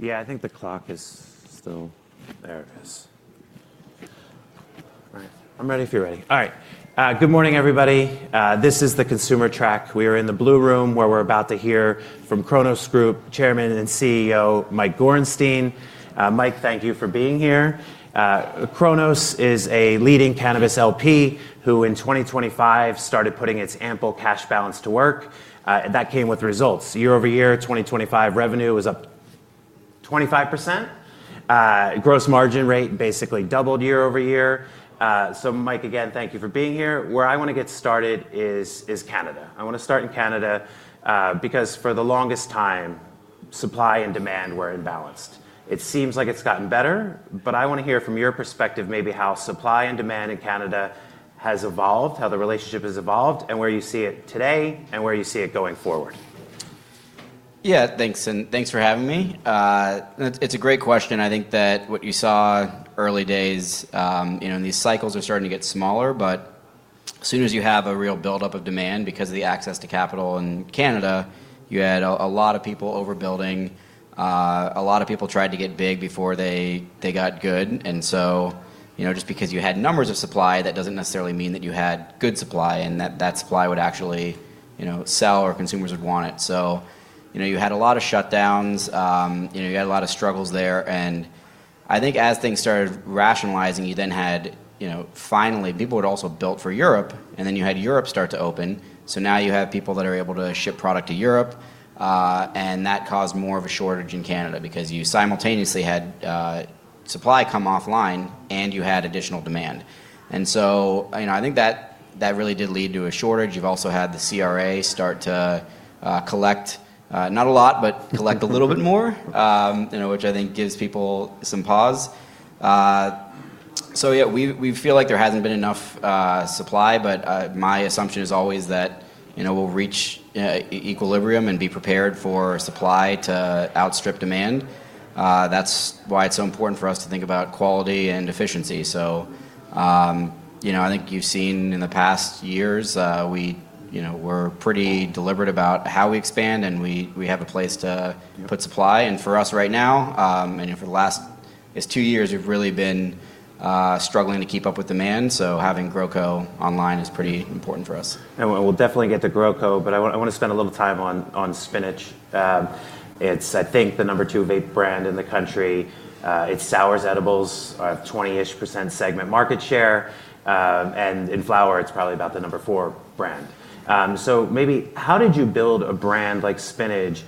In a minute. Yeah, I think the clock is still. There it is. All right. I'm ready if you're ready. All right. Good morning, everybody. This is the consumer track. We're in the blue room, where we're about to hear from Cronos Group Chairman and CEO Mike Gorenstein. Mike, thank you for being here. Cronos is a leading cannabis LP, who in 2025 started putting its ample cash balance to work, and that came with results. Year-over-year, 2025 revenue was up 25%. Gross margin rate basically doubled year-over-year. So Mike, again, thank you for being here. Where I wanna get started is Canada. I wanna start in Canada, because for the longest time, supply and demand were imbalanced. It seems like it's gotten better, but I wanna hear from your perspective maybe how supply and demand in Canada has evolved, how the relationship has evolved, and where you see it today, and where you see it going forward. Yeah, thanks, and thanks for having me. It's a great question. I think that what you saw early days, you know, these cycles are starting to get smaller, but as soon as you have a real buildup of demand because of the access to capital in Canada, you had a lot of people overbuilding. A lot of people tried to get big before they got good. You know, just because you had numbers of supply, that doesn't necessarily mean that you had good supply and that supply would actually, you know, sell or consumers would want it. You know, you had a lot of shutdowns. You know, you had a lot of struggles there. I think as things started rationalizing, you then had, you know, finally people had also built for Europe, and then you had Europe start to open. Now you have people that are able to ship product to Europe, and that caused more of a shortage in Canada because you simultaneously had supply come offline and you had additional demand. You know, I think that really did lead to a shortage. You've also had the CRA start to collect not a lot, but a little bit more, you know, which I think gives people some pause. Yeah, we feel like there hasn't been enough supply, but my assumption is always that, you know, we'll reach equilibrium and be prepared for supply to outstrip demand. That's why it's so important for us to think about quality and efficiency. You know, I think you've seen in the past years, we, you know, we're pretty deliberate about how we expand and we have a place to put supply. For us right now, and for the last, I'd say two years, we've really been struggling to keep up with demand, so having GrowCo online is pretty important for us. We'll definitely get to GrowCo, but I wanna spend a little time on Spinach. It's, I think, the number 2 vape brand in the country. It's SOURZ edibles have 20-ish% segment market share, and in flower, it's probably about the number 4 brand. Maybe how did you build a brand like Spinach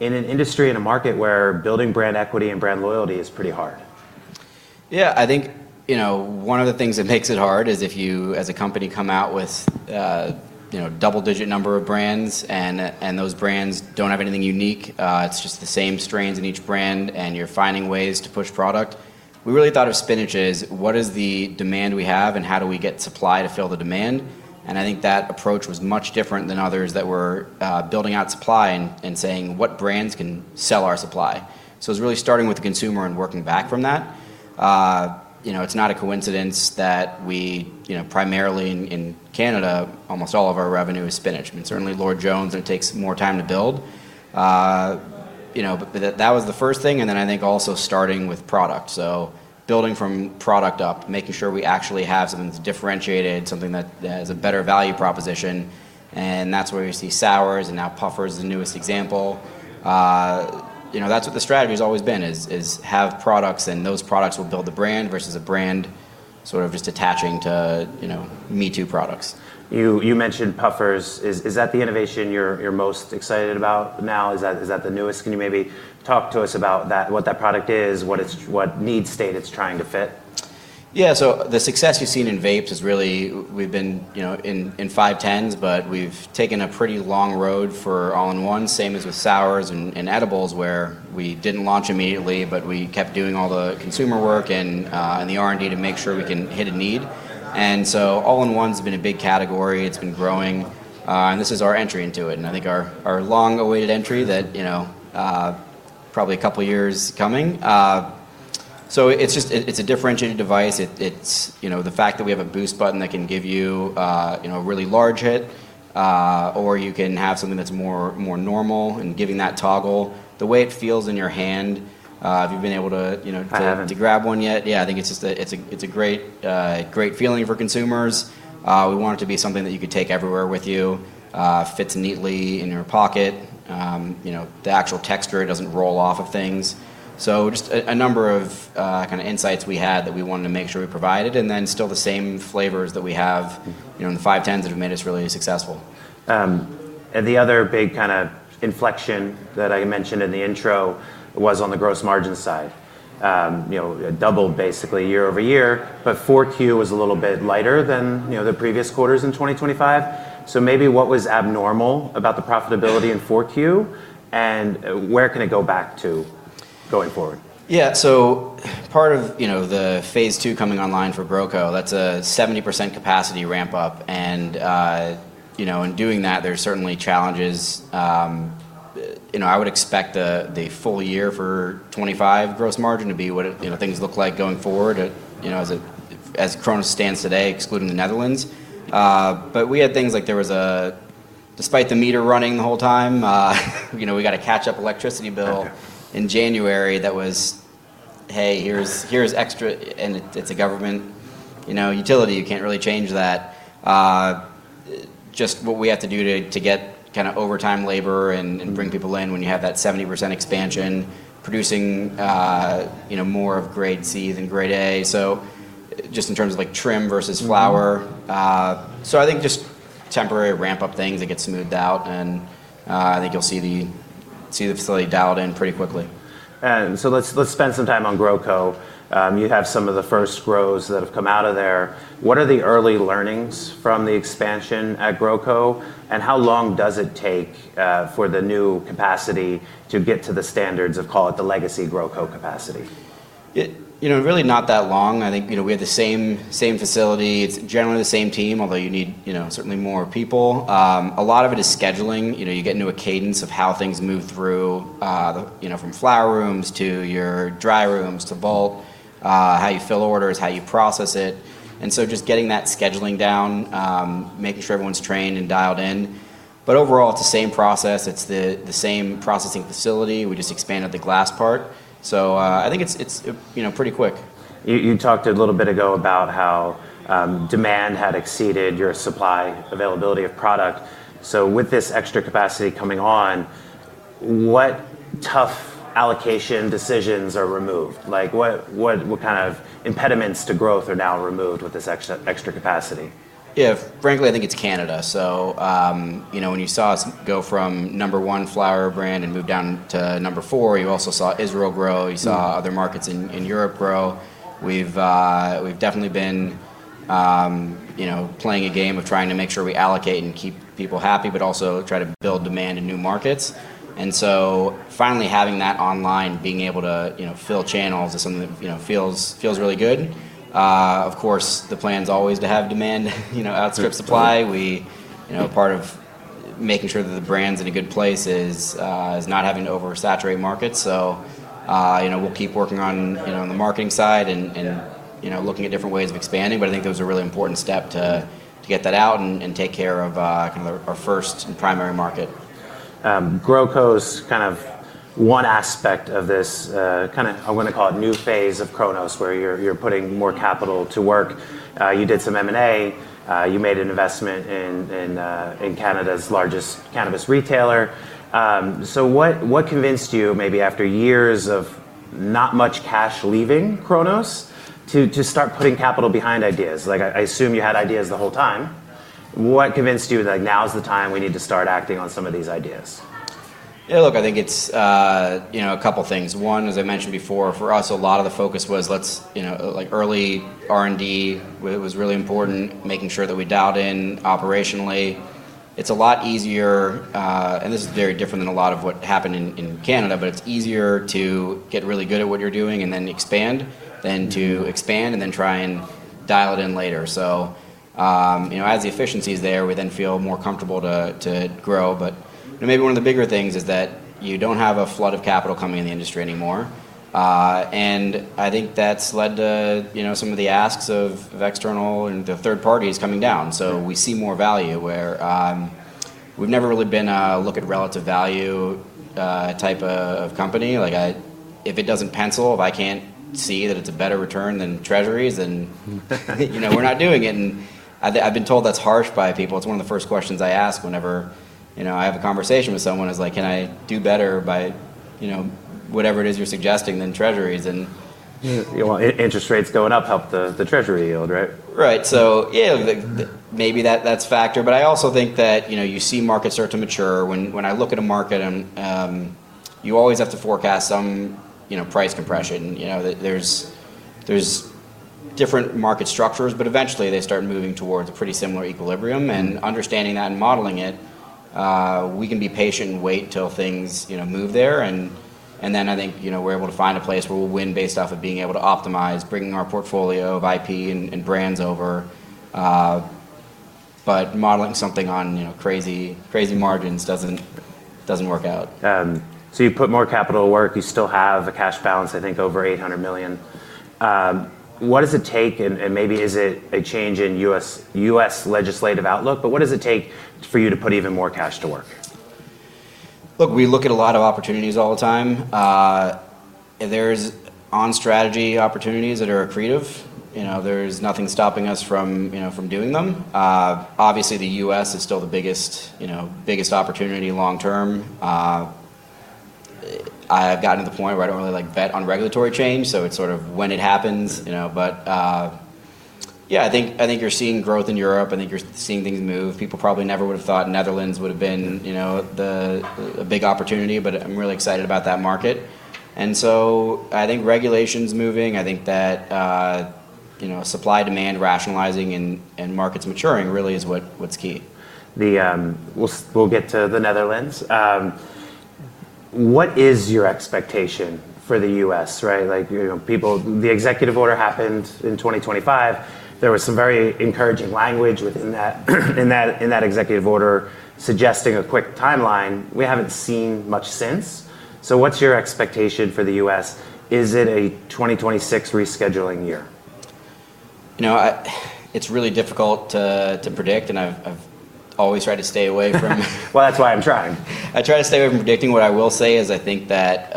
in an industry and a market where building brand equity and brand loyalty is pretty hard? Yeah. I think, you know, one of the things that makes it hard is if you as a company come out with, you know, double-digit number of brands and those brands don't have anything unique, it's just the same strains in each brand and you're finding ways to push product. We really thought of Spinach as what is the demand we have and how do we get supply to fill the demand? I think that approach was much different than others that were building out supply and saying, "What brands can sell our supply?" It's really starting with the consumer and working back from that. You know, it's not a coincidence that we, you know, primarily in Canada, almost all of our revenue is Spinach. I mean, certainly Lord Jones, it takes more time to build. You know, that was the first thing, and then I think also starting with product. Building from product up, making sure we actually have something that's differentiated, something that has a better value proposition, and that's where you see SOURZ and now Puffers is the newest example. You know, that's what the strategy has always been is have products and those products will build the brand versus a brand sort of just attaching to, you know, me-too products. You mentioned Puffers. Is that the innovation you're most excited about now? Is that the newest? Can you maybe talk to us about that, what that product is, what need state it's trying to fit? Yeah. The success you've seen in vapes is really we've been, you know, in 510s, but we've taken a pretty long road for all-in-one, same as with SOURZ and edibles, where we didn't launch immediately, but we kept doing all the consumer work and the R&D to make sure we can hit a need. All-in-one's been a big category. It's been growing, and this is our entry into it. I think our long-awaited entry that, you know, probably a couple years coming. It's just. It's a differentiated device. It's, you know, the fact that we have a boost button that can give you know, a really large hit, or you can have something that's more normal and giving that toggle. The way it feels in your hand, have you been able to, you know? I haven't... to grab one yet? Yeah, I think it's just a great feeling for consumers. We want it to be something that you could take everywhere with you. Fits neatly in your pocket. You know, the actual texture doesn't roll off of things. Just a number of kind of insights we had that we wanted to make sure we provided, and then still the same flavors that we have- Mm-hmm... you know, in the 510s that have made us really successful. The other big kind of inflection that I mentioned in the intro was on the gross margin side. You know, it doubled basically year-over-year, but Q4 was a little bit lighter than, you know, the previous quarters in 2025. Maybe what was abnormal about the profitability in Q4, and where can it go back to going forward? Yeah. Part of, you know, the phase II coming online for Cronos GrowCo, that's a 70% capacity ramp-up and, you know, in doing that, there's certainly challenges. You know, I would expect the full year for 2025 gross margin to be what it, you know, things look like going forward, you know, as Cronos stands today, excluding the Netherlands. But we had things like, despite the meter running the whole time, you know, we got a catch-up electricity bill. Okay. in January that was, "Hey, here's extra." It's a government, you know, utility. You can't really change that. Just what we had to do to get kinda overtime labor and bring people in when you have that 70% expansion producing, you know, more of Grade C than Grade A, so just in terms of like trim versus flower. I think just temporary ramp-up things that get smoothed out, and I think you'll see the facility dialed in pretty quickly. Let's spend some time on GrowCo. You have some of the first grows that have come out of there. What are the early learnings from the expansion at GrowCo, and how long does it take for the new capacity to get to the standards of, call it, the legacy GrowCo capacity? It's, you know, really not that long. I think, you know, we have the same facility. It's generally the same team, although you need, you know, certainly more people. A lot of it is scheduling. You know, you get into a cadence of how things move through, you know, from flower rooms to your dry rooms to bulk, how you fill orders, how you process it, and so just getting that scheduling down, making sure everyone's trained and dialed in. Overall, it's the same process. It's the same processing facility. We just expanded the glass part. I think it's, you know, pretty quick. You talked a little bit ago about how demand had exceeded your supply availability of product. With this extra capacity coming on, what tough allocation decisions are removed? Like what kind of impediments to growth are now removed with this extra capacity? Yeah. Frankly, I think it's Canada. You know, when you saw us go from number one flower brand and move down to number four, you also saw Israel grow. You saw other markets in Europe grow. We've definitely been you know, playing a game of trying to make sure we allocate and keep people happy but also try to build demand in new markets. Finally having that online, being able to, you know, fill channels is something that, you know, feels really good. Of course, the plan's always to have demand, you know, outstrip supply. We, you know, part of making sure that the brand's in a good place is not having to oversaturate markets. you know, we'll keep working on, you know, on the marketing side and you know, looking at different ways of expanding. I think that was a really important step to get that out and take care of kinda our first and primary market. GrowCo's kind of one aspect of this, kind of I want to call it new phase of Cronos where you're putting more capital to work. You did some M&A. You made an investment in Canada's largest cannabis retailer. What convinced you maybe after years of not much cash leaving Cronos to start putting capital behind ideas? Like I assume you had ideas the whole time. What convinced you that now's the time, we need to start acting on some of these ideas? Yeah, look, I think it's you know, a couple things. One, as I mentioned before, for us a lot of the focus was let's you know, like early R&D was really important, making sure that we dialed in operationally. It's a lot easier, and this is very different than a lot of what happened in Canada, but it's easier to get really good at what you're doing and then expand than to expand and then try and dial it in later. You know, as the efficiency's there, we then feel more comfortable to grow. Maybe one of the bigger things is that you don't have a flood of capital coming in the industry anymore. I think that's led to you know, some of the asks of external and the third parties coming down. We see more value where we've never really been a look-at-relative-value type of company. Like, if it doesn't pencil, if I can't see that it's a better return than treasuries, then you know, we're not doing it. I've been told that's harsh by people. It's one of the first questions I ask whenever you know, I have a conversation with someone is like, "Can I do better by you know, whatever it is you're suggesting than treasuries? Well, interest rates going up help the treasury yield, right? Right. Yeah, like maybe that's a factor. I also think that, you know, you see markets start to mature. I look at a market and, you always have to forecast some, you know, price compression. You know, there's different market structures, but eventually they start moving towards a pretty similar equilibrium. Understanding that and modeling it, we can be patient and wait till things, you know, move there and, then I think, you know, we're able to find a place where we'll win based off of being able to optimize, bringing our portfolio of IP and brands over. Modeling something on, you know, crazy margins doesn't work out. You put more capital to work. You still have a cash balance I think over 800 million. What does it take and maybe is it a change in U.S. legislative outlook, but what does it take for you to put even more cash to work? Look, we look at a lot of opportunities all the time. There's on-strategy opportunities that are accretive. You know, there's nothing stopping us from, you know, from doing them. Obviously, the U.S. is still the biggest, you know, biggest opportunity long term. I've gotten to the point where I don't really like to bet on regulatory change, so it's sort of when it happens, you know. Yeah, I think you're seeing growth in Europe. I think you're seeing things move. People probably never would've thought Netherlands would've been, you know, the, a big opportunity, but I'm really excited about that market. I think regulation's moving. I think that, you know, supply-demand rationalizing and markets maturing really is what's key. We'll get to the Netherlands. What is your expectation for the U.S., right? Like, you know, people, the executive order happened in 2025. There was some very encouraging language within that executive order suggesting a quick timeline. We haven't seen much since. What's your expectation for the U.S.? Is it a 2026 rescheduling year? You know, it's really difficult to predict, and I've always tried to stay away from. Well, that's why I'm trying. I try to stay away from predicting. What I will say is I think that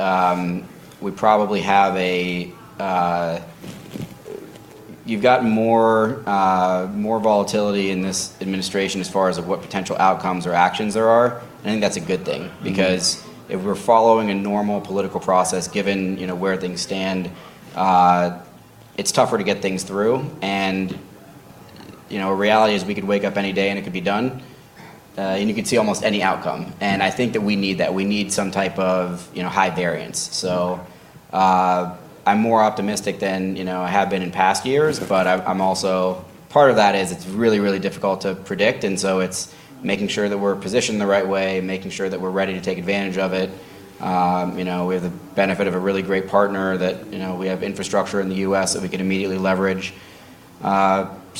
you've got more volatility in this administration as far as of what potential outcomes or actions there are, and I think that's a good thing. Mm-hmm. Because if we're following a normal political process given, you know, where things stand, it's tougher to get things through and, you know, reality is we could wake up any day and it could be done, and you could see almost any outcome. I think that we need that. We need some type of, you know, high variance. I'm more optimistic than, you know, I have been in past years, but I'm also part of that is it's really, really difficult to predict, and so it's making sure that we're positioned the right way, making sure that we're ready to take advantage of it. You know, we have the benefit of a really great partner that, you know, we have infrastructure in the U.S. that we could immediately leverage.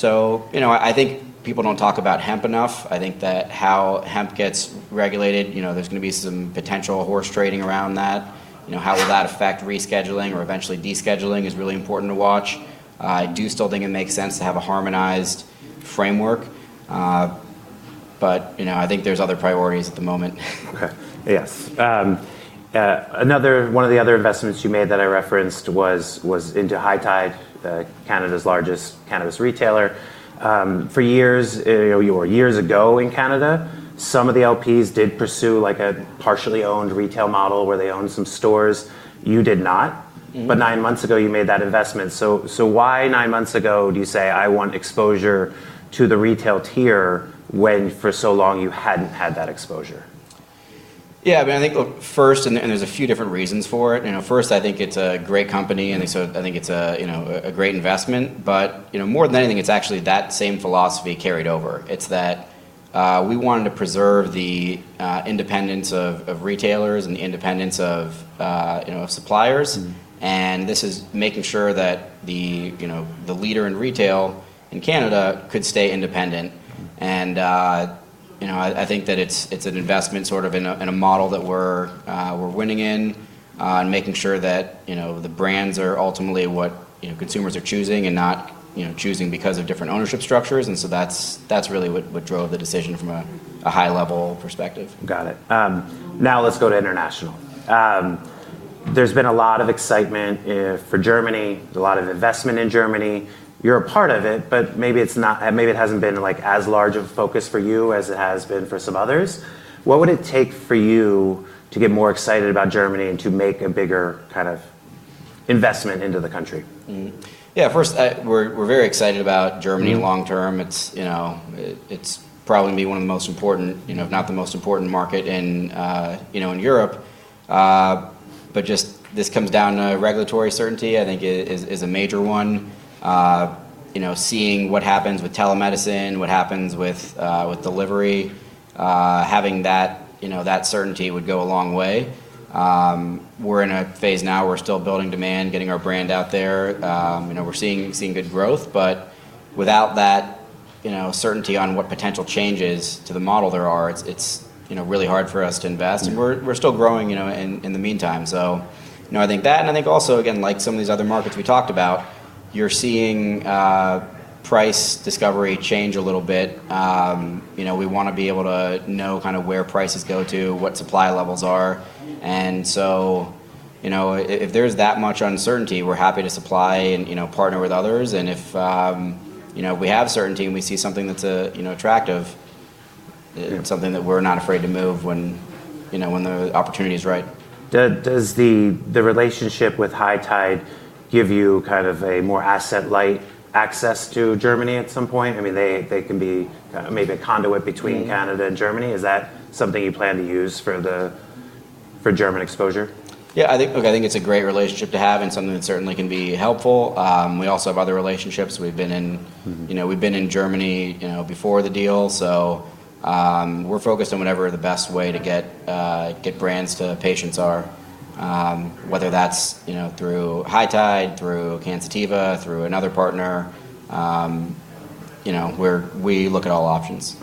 You know, I think people don't talk about hemp enough. I think that how hemp gets regulated, you know, there's gonna be some potential horse trading around that. You know, how will that affect rescheduling or eventually descheduling is really important to watch. I do still think it makes sense to have a harmonized framework, but, you know, I think there's other priorities at the moment. Okay. Yes. Another one of the other investments you made that I referenced was into High Tide, Canada's largest cannabis retailer. For years, you know, or years ago in Canada, some of the LPs did pursue like a partially owned retail model where they owned some stores. You did not. Mm-hmm. Nine months ago, you made that investment. Why nine months ago do you say, "I want exposure to the retail tier," when for so long you hadn't had that exposure? Yeah, I mean, I think first, and there's a few different reasons for it. You know, first, I think it's a great company. I think it's a, you know, a great investment. You know, more than anything, it's actually that same philosophy carried over. It's that we wanted to preserve the independence of retailers and the independence of, you know, suppliers. Mm-hmm. This is making sure that the, you know, the leader in retail in Canada could stay independent and, you know, I think that it's an investment sort of in a model that we're winning in, and making sure that, you know, the brands are ultimately what, you know, consumers are choosing and not, you know, choosing because of different ownership structures and so that's really what drove the decision from a high level perspective. Got it. Now let's go to international. There's been a lot of excitement for Germany. There's a lot of investment in Germany. You're a part of it, but maybe it's not, maybe it hasn't been like as large of a focus for you as it has been for some others. What would it take for you to get more excited about Germany and to make a bigger kind of investment into the country? Yeah. First, we're very excited about Germany long term. Mm-hmm. It's, you know, it's probably gonna be one of the most important, you know, if not the most important market in, you know, in Europe. This just comes down to regulatory certainty, I think, is a major one. You know, seeing what happens with telemedicine, what happens with delivery, having that, you know, that certainty would go a long way. We're in a phase now. We're still building demand, getting our brand out there. You know, we're seeing good growth, but without that, you know, certainty on what potential changes to the model there are, it's, you know, really hard for us to invest. Mm-hmm. We're still growing, you know, in the meantime. You know, I think that, and I think also again, like some of these other markets we talked about, you're seeing price discovery change a little bit. You know, we wanna be able to know kind of where prices go to, what supply levels are. You know, if there's that much uncertainty, we're happy to supply and, you know, partner with others, and if, you know, we have certainty and we see something that's, you know, attractive- Mm-hmm It's something that we're not afraid to move when, you know, when the opportunity is right. Does the relationship with High Tide give you kind of a more asset light access to Germany at some point? I mean, they can be kind of maybe a conduit between Canada and Germany. Is that something you plan to use for German exposure? Yeah, I think, look, I think it's a great relationship to have and something that certainly can be helpful. We also have other relationships. We've been in- Mm-hmm. You know, we've been in Germany, you know, before the deal, so we're focused on whatever the best way to get brands to patients are, whether that's, you know, through High Tide, through Cansativa, through another partner, you know, we look at all options.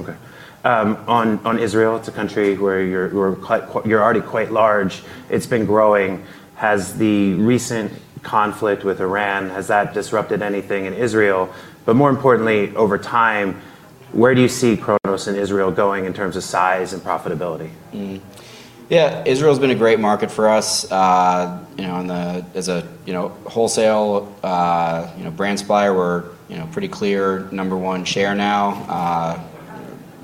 On Israel, it's a country where you're already quite large. It's been growing. Has the recent conflict with Iran disrupted anything in Israel? More importantly, over time, where do you see Cronos and Israel going in terms of size and profitability? Yeah, Israel's been a great market for us. You know, as a wholesale brand supplier, we're pretty clear number one share now,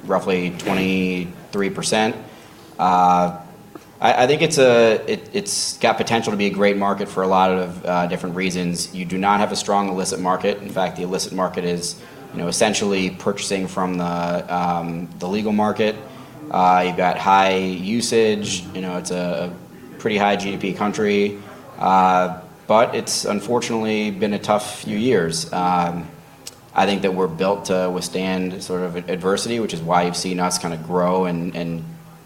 roughly 23%. I think it's got potential to be a great market for a lot of different reasons. You do not have a strong illicit market. In fact, the illicit market is essentially purchasing from the legal market. You've got high usage. You know, it's a pretty high GDP country, but it's unfortunately been a tough few years. I think that we're built to withstand sort of adversity, which is why you've seen us kind of grow and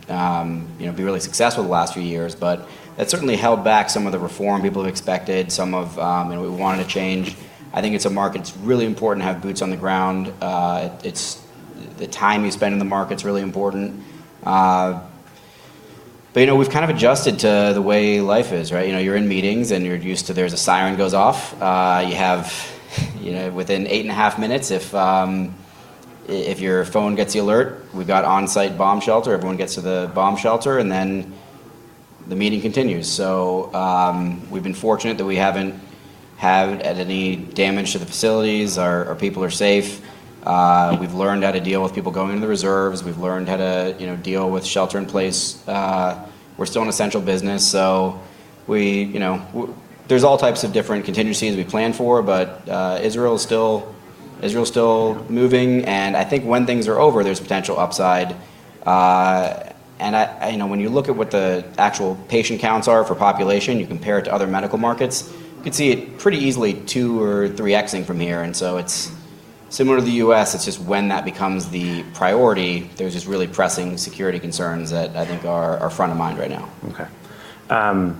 be really successful the last few years. That's certainly held back some of the reform people have expected, some of you know we wanted to change. I think it's a market that's really important to have boots on the ground. It's the time you spend in the market's really important. You know, we've kind of adjusted to the way life is, right? You know, you're in meetings and you're used to there's a siren goes off. You have you know within 8.5 minutes if your phone gets the alert, we've got onsite bomb shelter. Everyone gets to the bomb shelter, and then the meeting continues. We've been fortunate that we haven't had any damage to the facilities. Our people are safe. We've learned how to deal with people going into the reserves. We've learned how to you know deal with shelter in place. We're still an essential business, so you know, there's all types of different contingencies we plan for, but Israel's still moving, and I think when things are over, there's potential upside. You know, when you look at what the actual patient counts are for population, you compare it to other medical markets, you can see it pretty easily 2 or 3x-ing from here. It's similar to the U.S., it's just when that becomes the priority. There's just really pressing security concerns that I think are front of mind right now. Okay.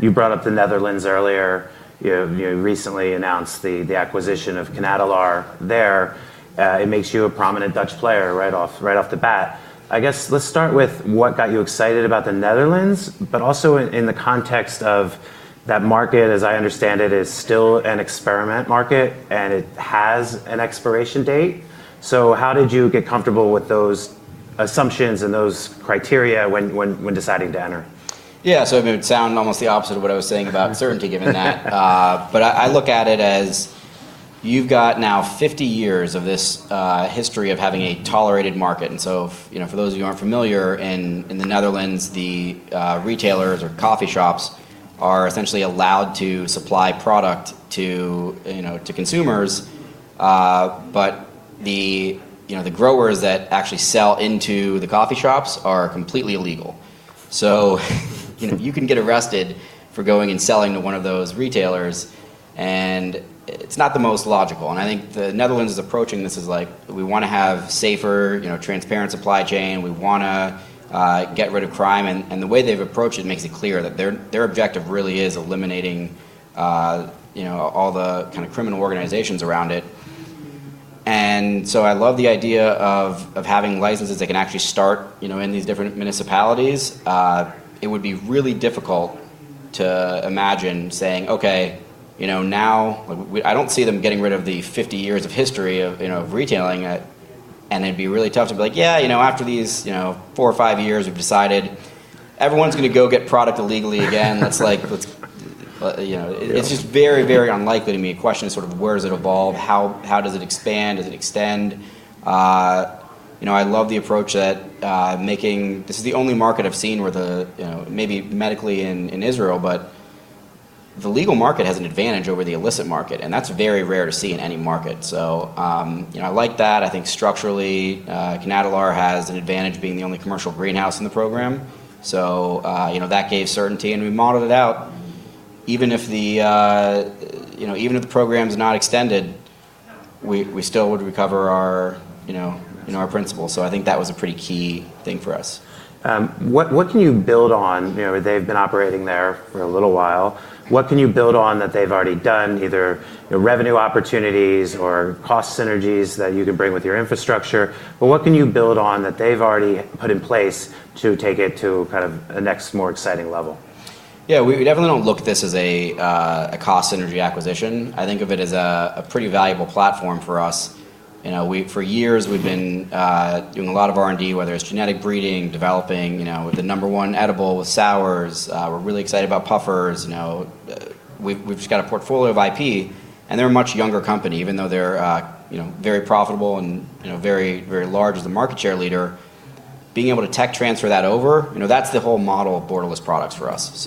You brought up the Netherlands earlier. You recently announced the acquisition of CanAdelaar there. It makes you a prominent Dutch player right off the bat. I guess let's start with what got you excited about the Netherlands, but also in the context of that market, as I understand it, is still an experiment market and it has an expiration date. How did you get comfortable with those assumptions and those criteria when deciding to enter? Yeah. I mean, it would sound almost the opposite of what I was saying about certainty given that. I look at it as you've got now 50 years of this history of having a tolerated market. You know, for those of you who aren't familiar, in the Netherlands, the retailers or coffee shops are essentially allowed to supply product to, you know, to consumers. You know, the growers that actually sell into the coffee shops are completely illegal. You know, you can get arrested for going and selling to one of those retailers, and it's not the most logical. I think the Netherlands is approaching this as like, we wanna have safer, you know, transparent supply chain. We wanna get rid of crime. The way they've approached it makes it clear that their objective really is eliminating all the kinda criminal organizations around it. I love the idea of having licenses that can actually start in these different municipalities. It would be really difficult to imagine saying, "Okay, now..." I don't see them getting rid of the 50 years of history of retailing it, and it'd be really tough to be like, "Yeah, after these 4 or 5 years, we've decided everyone's gonna go get product illegally again." That's like. It's just very, very unlikely to me. The question is sort of where does it evolve? How does it expand? Does it extend? You know, I love the approach that This is the only market I've seen where the, you know, maybe medically in Israel, but the legal market has an advantage over the illicit market, and that's very rare to see in any market. You know, I like that. I think structurally, CanAdelaar has an advantage being the only commercial greenhouse in the program. You know, that gave certainty, and we modeled it out. Even if the program's not extended, we still would recover our, you know, our principal. I think that was a pretty key thing for us. What can you build on? You know, they've been operating there for a little while. What can you build on that they've already done, either, you know, revenue opportunities or cost synergies that you can bring with your infrastructure? What can you build on that they've already put in place to take it to kind of a next more exciting level? Yeah. We definitely don't look at this as a cost synergy acquisition. I think of it as a pretty valuable platform for us. You know, we've, for years we've been doing a lot of R&D, whether it's genetic breeding, developing, you know, the number one edible with SOURZ. We're really excited about Puffers. You know, we've just got a portfolio of IP, and they're a much younger company, even though they're, you know, very profitable and, you know, very, very large as the market share leader. Being able to tech transfer that over, you know, that's the whole model of borderless products for us.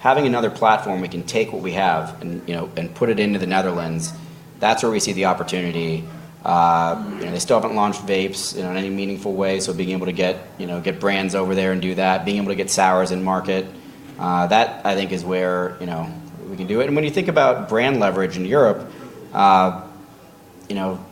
Having another platform, we can take what we have and, you know, and put it into the Netherlands, that's where we see the opportunity. You know, they still haven't launched vapes, you know, in any meaningful way, so being able to get, you know, get brands over there and do that, being able to get SOURZ in market, that I think is where, you know, we can do it. When you think about brand leverage in Europe, you know,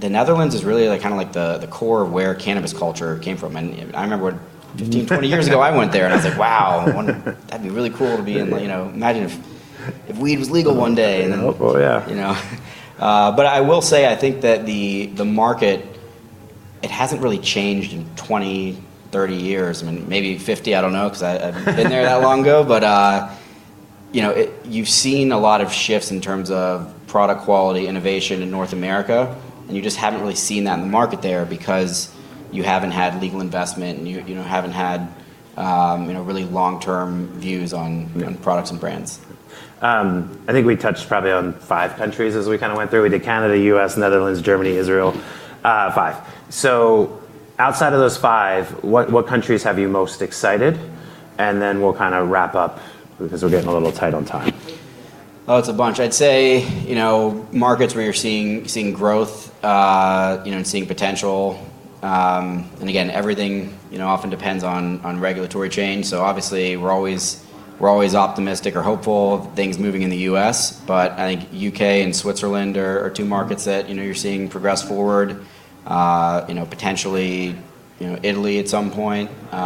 the Netherlands is really like kinda like the core of where cannabis culture came from. I remember 15, 20 years ago, I went there and I was like, "Wow, I wonder. That'd be really cool to be in, you know, imagine if weed was legal one day. Hopeful. Yeah. You know? I will say I think that the market hasn't really changed in 20, 30 years. I mean, maybe 50, I don't know, 'cause I haven't been there that long ago. You know, you've seen a lot of shifts in terms of product quality, innovation in North America, and you just haven't really seen that in the market there because you haven't had legal investment and you know, haven't had you know, really long-term views on products and brands. I think we touched probably on five countries as we kinda went through. We did Canada, U.S., Netherlands, Germany, Israel, five. Outside of those five, what countries have you most excited? We'll kinda wrap up because we're getting a little tight on time. Oh, it's a bunch. I'd say, you know, markets where you're seeing growth, you know, and seeing potential. Again, everything, you know, often depends on regulatory change. Obviously we're always optimistic or hopeful of things moving in the U.S., but I think U.K. and Switzerland are two markets that, you know, you're seeing progress forward. You know, potentially, you know, Italy at some point. You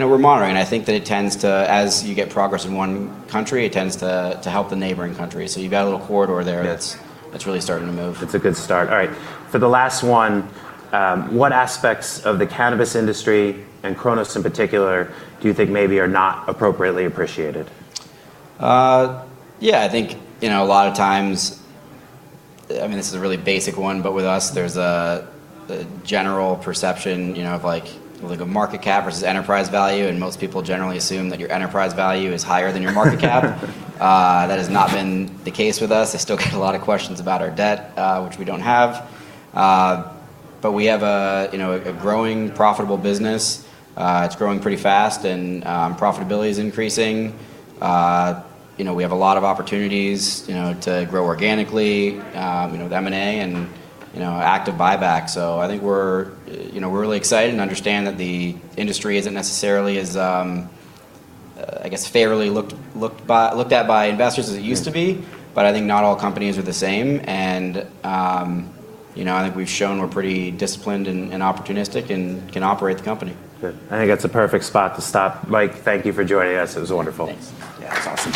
know, we're monitoring. I think that it tends to, as you get progress in one country, it tends to help the neighboring countries. You've got a little corridor there. Yes That's really starting to move. It's a good start. All right. For the last one, what aspects of the cannabis industry and Cronos in particular do you think maybe are not appropriately appreciated? Yeah, I think, you know, a lot of times, I mean, this is a really basic one, but with us there's a general perception, you know, of like a market cap versus enterprise value, and most people generally assume that your enterprise value is higher than your market cap. That has not been the case with us. I still get a lot of questions about our debt, which we don't have. We have a growing profitable business. It's growing pretty fast and profitability is increasing. You know, we have a lot of opportunities, you know, to grow organically, you know, with M&A and, you know, active buyback. I think we're, you know, we're really excited and understand that the industry isn't necessarily as, I guess, fairly looked at by investors as it used to be- Yeah... I think not all companies are the same. You know, I think we've shown we're pretty disciplined and opportunistic and can operate the company. Good. I think that's a perfect spot to stop. Mike, thank you for joining us. It was wonderful. Thanks. Yeah, it's awesome.